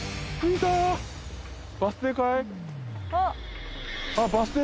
あっ！